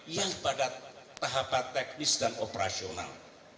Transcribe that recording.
yang pada tahapan teknis dan operasional